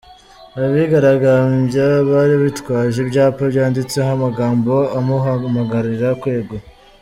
Abigaragambya bari bitwaje ibyapa byanditseho amagambo amuhamagarira kwegura.